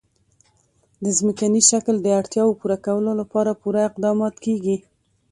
د ځمکني شکل د اړتیاوو پوره کولو لپاره پوره اقدامات کېږي.